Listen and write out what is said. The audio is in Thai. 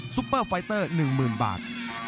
ปเปอร์ไฟเตอร์๑๐๐๐บาท